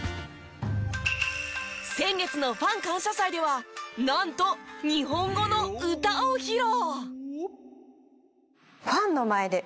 先月のファン感謝祭ではなんと日本語の歌を披露！